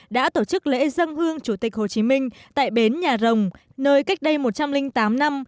đã tổ chức lễ dân hương chủ tịch hồ chí minh tại bến nhà rồng nơi cách đây một trăm linh tám năm